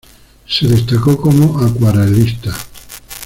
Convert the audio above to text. Se destacó como acuarelista.